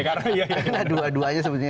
karena dua duanya sebetulnya